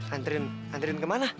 anterin anterin kemana